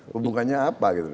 hubungannya apa gitu